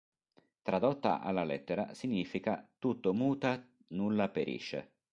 Tradotta alla lettera significa "tutto muta, nulla perisce".